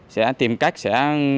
sẽ tìm cách sẽ